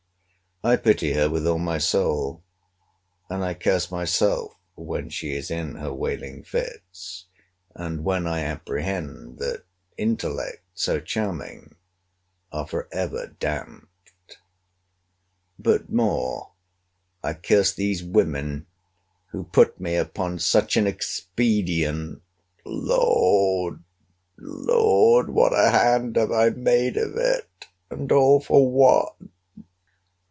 I pity her with all my soul; and I curse myself, when she is in her wailing fits, and when I apprehend that intellects, so charming, are for ever damped. But more I curse these women, who put me upon such an expedient! Lord! Lord! what a hand have I made of it!—And all for what?